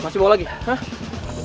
udah padahal aku nih